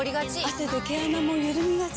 汗で毛穴もゆるみがち。